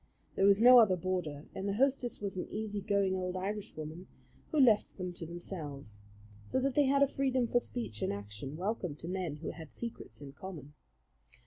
There was no other boarder, and the hostess was an easy going old Irishwoman who left them to themselves; so that they had a freedom for speech and action welcome to men who had secrets in common.